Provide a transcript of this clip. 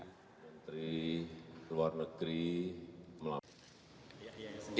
keluar negeri melakukan